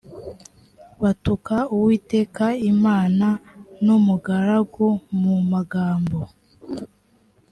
batuka uwiteka imana n’umugaragu mu magambo